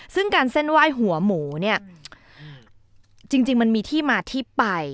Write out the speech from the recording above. ซึ่งการเส้นไหว้หัวหมูเนี่ยจริงมันมีที่มาที่ไป